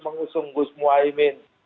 mengusung gus muaymin